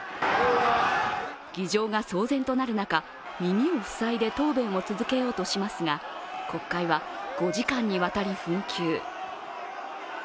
議場が騒然となる中、耳を塞いで答弁を続けようとしますが、国会は５時間にわたり紛糾。